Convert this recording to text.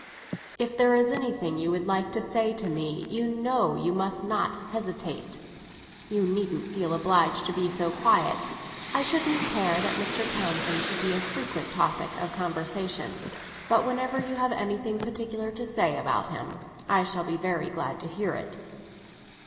"If there is anything you would like to say to me, you know you must not hesitate. You needn't feel obliged to be so quiet. I shouldn't care that Mr. Townsend should be a frequent topic of conversation, but whenever you have anything particular to say about him I shall be very glad to hear it."